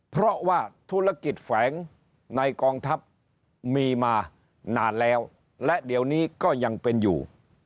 เพราะว่าธุรกิจแฝงในกองทัพมีมานานแล้วและเดี๋ยวนี้ก็ยังเป็นอยู่